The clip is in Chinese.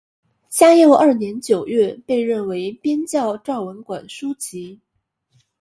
嘉佑二年九月被任为编校昭文馆书籍。